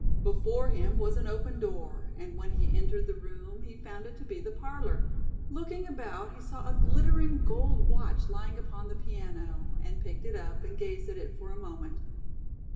Before him was an open door, and when he entered the room he found it to be the parlor. Looking about he saw a glittering gold watch lying upon the piano, and picked it up, and gazed at it for a moment.